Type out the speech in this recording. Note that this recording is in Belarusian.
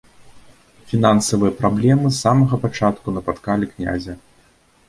Фінансавыя праблемы з самага пачатку напаткалі князя.